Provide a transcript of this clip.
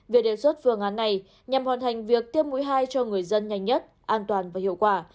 về đề xuất phương án này nhằm hoàn thành việc tiêm mũi hai cho người dân nhanh nhất an toàn và hiệu quả